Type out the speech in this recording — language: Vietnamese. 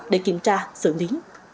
để kiểm tra xử lý